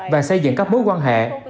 và xây dựng các mối quan hệ